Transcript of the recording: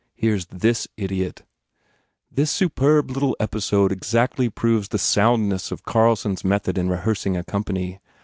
Here s this idiot. This little episode exactly proves the soundness of Carlson s method in rehearsing a company.